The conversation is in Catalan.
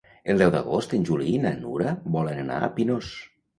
El deu d'agost en Juli i na Nura volen anar al Pinós.